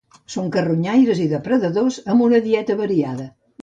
Són carronyaires i depredadors amb una dieta variada.